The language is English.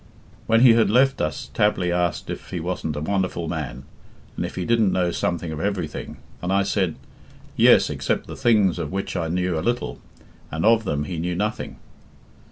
When he had left us Tabley asked if he wasn't a wonderful man, and if he didn't know something of everything, and I said, 'Yes, except the things of which I knew a little, and of them he knew nothing.'...